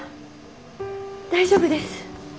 大丈夫です。